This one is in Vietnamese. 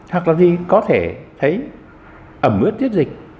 hoặc là gì có thể thấy ẩm ướt tiết dịch